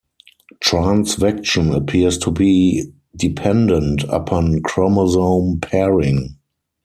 Transvection appears to be dependent upon chromosome pairing.